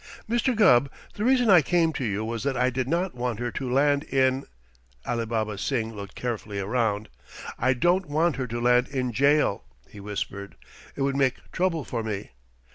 Mr. Gubb, the reason I came to you was that I did not want her to land in " Alibaba Singh looked carefully around. "I don't want her to land in jail," he whispered. "It would make trouble for me.